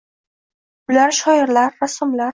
Ular shoirlar, rassomlar